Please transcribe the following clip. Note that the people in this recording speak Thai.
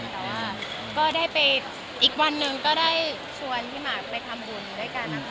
แต่ว่าก็ได้ไปอีกวันหนึ่งก็ได้ชวนพี่หมากไปทำบุญด้วยกันนะคะ